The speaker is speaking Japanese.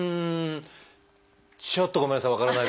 ちょっとごめんなさい。